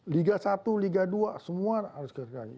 liga satu liga dua semua harus tergaji